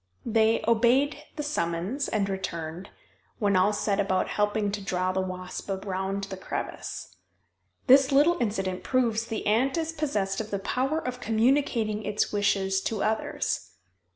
They obeyed the summons and returned, when all set about helping to draw the wasp around the crevice. This little incident proves the ant is possessed of the power of communicating its wishes to others.